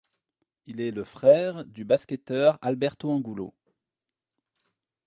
Il est le frère du basketteur Alberto Angulo.